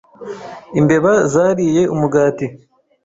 Imbeba zariye umugati.